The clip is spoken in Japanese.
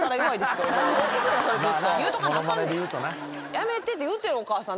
やめてって言うてんお母さん。